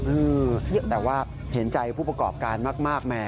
อืมแต่ว่าเห็นใจผู้ประกอบการมากแหม